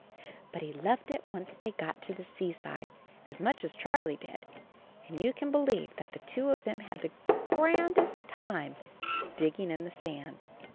But he loved it once they got to the seaside as much as Charlie did, and you can believe that the two of them had the grandest time digging in the sand.